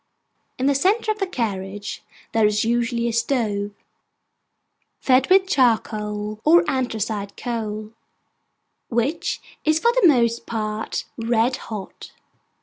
In the centre of the carriage there is usually a stove, fed with charcoal or anthracite coal; which is for the most part red hot.